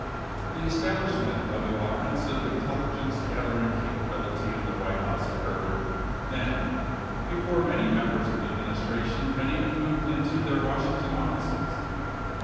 The establishment of an offen sive intelligence gathering capability in the White House occurred, then, before many members of the administration had even moved into their Washington offices.